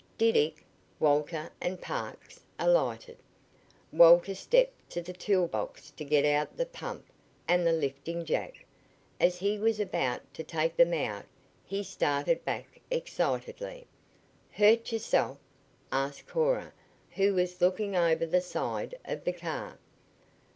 Diddick, Walter and Parks alighted. Walter stepped to the tool box to get out the pump and the lifting jack. As he was about to take them out he started back excitedly. "Hurt yourself?" asked Cora, who was looking over the side of the car.